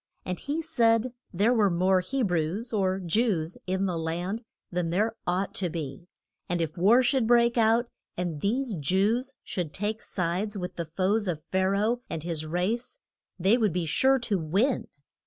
And he said there were more He brews, or Jews, in the land than there ought to be, and if war should break out, and these Jews should take sides with the foes of Pha ra oh and his race, they would be sure to win.